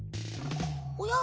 おや？